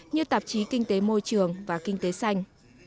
như tạp chí kinh tế môi trường và kinh tế xanh